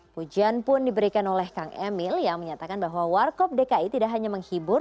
pujian pun diberikan oleh kang emil yang menyatakan bahwa warkop dki tidak hanya menghibur